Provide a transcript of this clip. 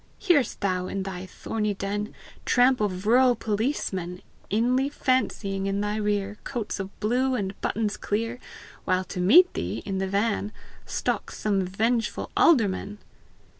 Hear'st thou, in thy thorny den, Tramp of rural policemen, Inly fancying, in thy rear Coats of blue and buttons clear, While to meet thee, in the van Stalks some vengeful alderman?